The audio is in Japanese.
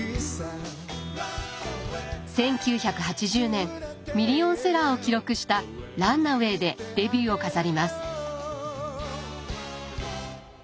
１９８０年ミリオンセラーを記録した「ランナウェイ」でデビューを飾ります。